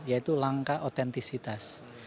yaitu langkah otentisitas